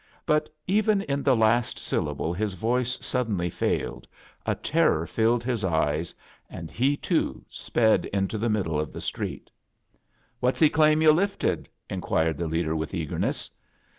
But even in the last syl< lable fiis voice suddenly failed, a terror filled his eyes, and he, too, sped into the middle of the street. "What's he claim yoti lifted?" inquired the leader, with eagerness.